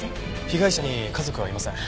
被害者に家族はいません。